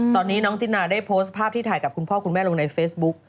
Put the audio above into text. ตอนนี้น้องจินาได้โพสต์ภาพที่ถ่ายกับคุณพ่อคุณแม่ลงในเฟซบุ๊ก